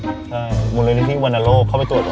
ใช่บริเวณที่วันนาโลกเข้าไปตรวจเหรอ